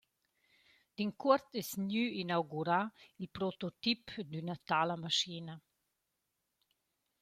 D’incuort es gnü inaugurà il prototip d’üna tala maschina.